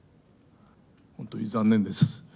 本当に残念です。